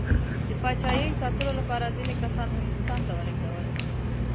د پاچایۍ ساتلو لپاره ځینې کسان هندوستان ته ولېږدول.